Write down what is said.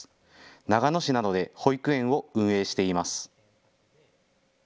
長野市などで保育園を運営しています。